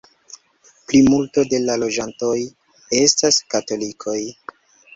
Plimulto de la loĝantoj estas katolikoj.